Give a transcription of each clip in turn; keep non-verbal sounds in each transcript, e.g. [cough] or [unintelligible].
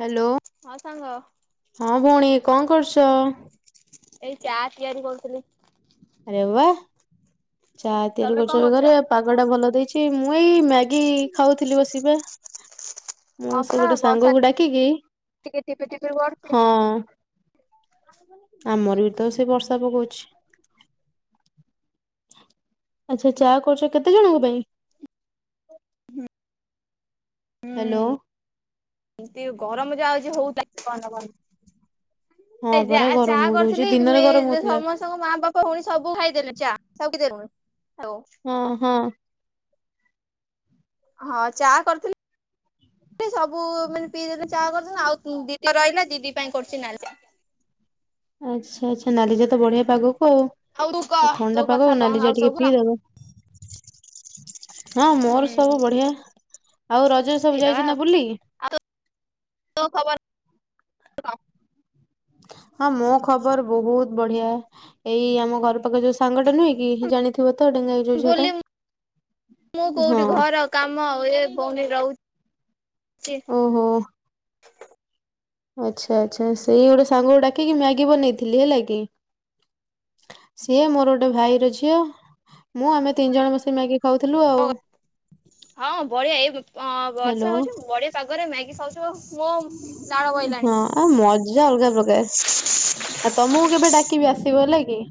Hello ହଁ ସାଙ୍ଗ ହଁ ଭଉଣୀ କଣ କରୁଚୁ? [unintelligible] ଏଇ ଚା ତିଆରି କରୁଥିଲି। ଆରେ ୱା। ଚା ତିଆରି ତମେ କରୁଚୁ କଣ କରୁଛ? ଘରେ ପାଗ ଟା ଭଲ। [unintelligible] କି ଖାଉଥିଲି ବସିକି ପା। ମୁଁ ହଁ ସେ ପା ଗୋଟେ ବର୍ଷା ସାଙ୍ଗକୁ ଡାକିକି ଟିକେ ଟିପି ଟିପି ପଡୁଛି। ହଁ ଆମର ବି ତ ସେ ବର୍ଷା ପକଉଛି। ଆଚ୍ଛା ଚା କରିଚ କେତେ ଜଣଙ୍କ ପାଇଁ? ହୁଁ ହ୍ୟାଲୋ ଏମତି ଗରମ ଯାହା ଆଜି ହଉ [unintelligible] ହଁ ଏ ଯା ପରା ଗରମ ଚା ବହୁତ ହଉଛି କରିଥିଲି ଦିନରେ ମେ ଗରମ ହଉଥିଲା ସମସ୍ତଙ୍କ ମା ବାପ ଭଉଣି ସବୁ ଖାଇଦେଲେ ଚା ସବୁ ପି ଦେଲେ। ହଁ ହଁ। ହଁ ଚା କରିଥିଲି ସବୁ ମାନେ ପିଇଦେଲେ ଚା କରି ଆଉ ଦିଦି ତ ରହିଲା ଦିଦି ପାଇଁ କରୁଛି ନାଲି ଚା। ଆଛା ଆଛା। ନାଲି ଚା ତ ବଢିଆ ପାଗକୁ ତୁ କହ ଆଉ ତୋ ଥଣ୍ଡା ପାଗ କଥା କୁ କଣ ନାଲି ଚା ଆଉ ସବୁ ଟିକେ ଭଲ? ପିଇଦବ। [inaudible] ହଁ ମୋର ହୁଁ ସବୁ ବଢିଆ ଆଉ ରଜ ସବୁ ପିଇଦବା ଯାଇଛି ଆଉ। ନା ବୁଲି? ଆଉ ତୋ ଖବର [unintelligible] ହଁ ମୋ ଖବର ବହୁତ ବଢିଆ। ଏଇ ଆମ ଘର ପାଖରେ ଯୋଉ ସାଙ୍ଗଟ ନୁହେଁ କି ଜାଣିଥିବ ତ ଡେଙ୍ଗାଇ ଯୋଉ ଝିଅଟା ବୋଲି ମୁଁ କୋଉଠି ହଁ। ଘର କାମ ଏ ବ ର ଓହୋ ଆଚ୍ଛା ଆଚ୍ଛା ସେଇ ଗୋଟେ ସାଙ୍ଗକୁ ଡାକିକି ମ୍ୟାଗି ବନେଇଥିଲି ହେଲା କି ସିଏ ମୋର ଗୋଟେ ଭାଇର ଝିଅ। ମୁଁ ଆମେ ତିନି ଜଣ ବସେଇ ମକି ଖାଉଥିଲୁ ଆଉ। ହଁ ବଢିଆ ଏଇ ହ୍ୟାଲୋ ବର୍ଷା ହଉଛି ବଢିଆ ପାଗରେ ମ୍ୟାଗି ଖାଉଛୁ ମୋ ଲାଳ ବହିଲାଣି ହଁ ଆ ମଜା ଅଲଗା ପ୍ରକାର ଆଉ ତମକୁ କେବେ ଡାକିବି ଆସିବ ହେଲା। ଏ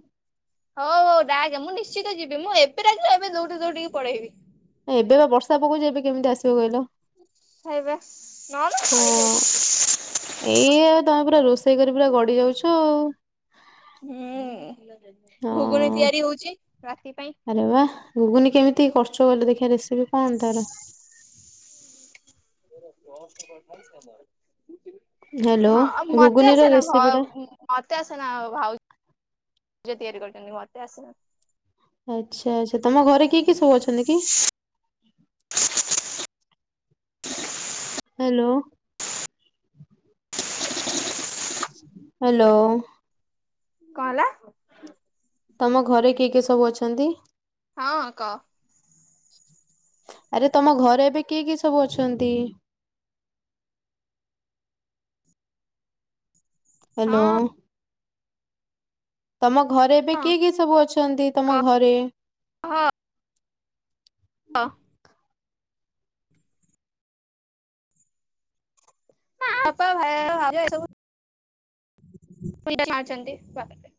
ହଁ ହଉ ଡାକେ ମୁଁ ନିଶ୍ଚିତ ଯିବି ମୁଁ ଏବେ ଡାକିଲେ ଏବେ ଦୋଉଡି ଦଉଡ଼ିକି ପଲେଈବି ଏବେ ବା ବର୍ଷା ପକଉଛି ଏବେ କେମିତି ଆସିବ କହିଲ। ଖାଇବା ନହେଲେ ପଳେଇ ହଁ ଯାଇଥାନ୍ତି ଏଇ ଆଉ ତା ପରେ ରୋଷେଇ କରି ପୁରା ଗଡି ଯାଉଛ ଆଉ। ଘୁଗୁନ ହଁ। ତିଆରି ହଉଛି ରାତି ପାଇଁ। ଏତେ ଖର୍ଚ କଲେ ଦେଖିବା ରେସିପି କଣ ତାର? ରସ୍ କ ନାଇ ଆମର ହ୍ୟାଲୋ [unintelligible] ହଁ ଆ ମତେ ଘୁଗୁନିର ଆସେନା ଭ ରେସିପି ଟା ମତେ ଆସେନା ଭାଉଜ ଯା ତିଆରି କରଛନ୍ତି ନି ମତେ ଆସେନା ଆଚ୍ଛା ଆଚ୍ଛା ତମ ଘରେ କିଏ କିଏ ସବୁ ଅଛ ନ କିି- ହାଲୋ- ହାଲୋ। କଣ ହେଲା? ତମ ଘରେ କିଏ କିଏ ସବୁ ଅଛନ୍ତି? ହଁ କହ- ଆରେ ତମ ଘରେ ଏବେ କିଏ କିଏ ସବୁ ଅଛନ୍ତି- ହଁ ହାଲୋ- ତମ- ଘରେ ଏବେ କିଏ କିଏ ସବୁ ଅଛନ୍ତି ତମ କହ ଘରେ- ହଁ- ବାପା ଭ ଏବୁଛନ୍ତି ବା [unintelligible]